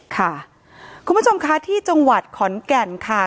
ค่ะคุณผู้ชมค่ะที่จังหวัดขอนแก่นค่ะ